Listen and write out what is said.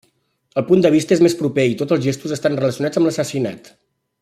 El punt de vista és més proper i tots els gestos estan relacionats amb l'assassinat.